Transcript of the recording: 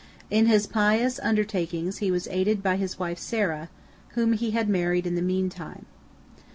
In his pious undertaking he was aided by his wife Sarah, whom he had married in the meantime.